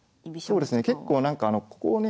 そうですね結構なんかここをね